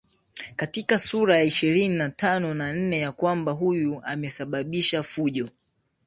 katika sura ya ishirini na tano na nne ya kwamba huyu amesababisha fujo